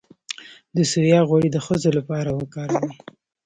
د سویا غوړي د ښځو لپاره وکاروئ